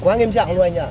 quá nghiêm trọng luôn anh ạ